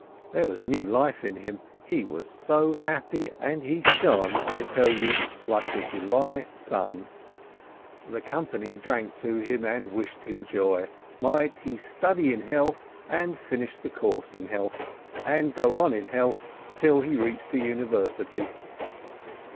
There was new life in him, he was so happy, and he shone, I tell you, like the July sun! The company GYMNASIYE 173 drank to him, and wished him joy: Might he study in health, and finish the course in health, and go on in health, till he reached the university!